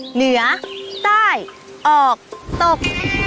เหนือใต้ออกตก